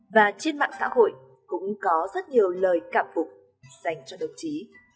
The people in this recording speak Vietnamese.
và trên mạng xã hội cũng có rất nhiều lời cảm phục dành cho đồng chí